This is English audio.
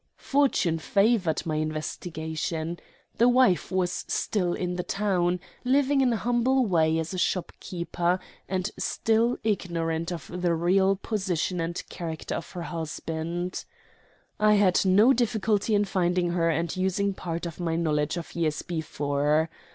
Fortune favored my investigation. The wife was still in the town, living in a humble way as a shop keeper, and still ignorant of the real position and character of her husband. I had no difficulty in finding her, and using part of my knowledge of years before.